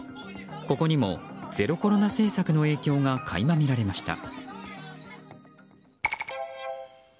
ここにもゼロコロナ政策の影響が垣間見られました。